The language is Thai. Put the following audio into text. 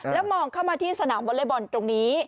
แล้วมองเข้ามาที่สนามวอเล็กบอลตรงนี้